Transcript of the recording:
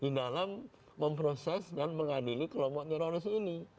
di dalam memproses dan mengadili kelompok teroris ini